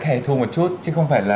hài thù một chút chứ không phải là